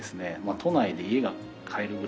都内で家が買えるぐらいの。